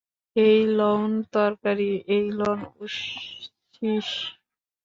এই লউন তরবারি, এই লউন উষ্ণীষ।